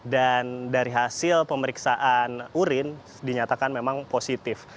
dan dari hasil pemeriksaan urin dinyatakan memang positif